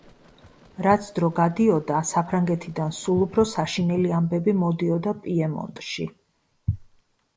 რაც დრო გადიოდა, საფრანგეთიდან სულ უფრო საშინელი ამბები მიდიოდა პიემონტში.